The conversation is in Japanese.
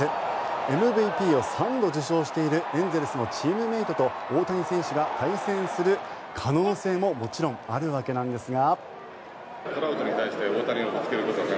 ＭＶＰを３度受賞しているエンゼルスのチームメートと大谷選手が対戦する可能性ももちろんあるわけなんですが。